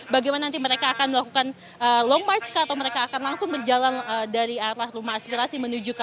bagaimana nanti mereka akan melakukan long march atau mereka akan langsung berjalan dari rumah aspirasi